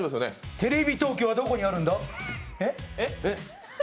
テレビ東京はどこにあるんだ？